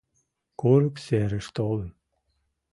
КУРЫК СЕРЫШ ТОЛЫН...